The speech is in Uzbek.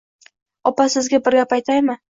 Opa, sizga bir gap aytaymi?